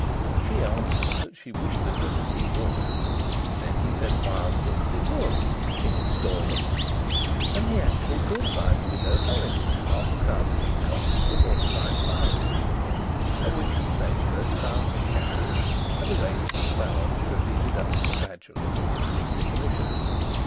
She answered that she wished to goodness he would! Then he said wildly that he would, in instalments! And he actually did buy the Widow Hullins's half a crown a week cottage for forty five pounds, of which he paid thirty pounds in cash and arranged that the balance should be deducted gradually from his weekly commission.